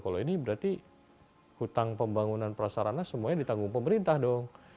kalau ini berarti hutang pembangunan prasarana semuanya ditanggung pemerintah dong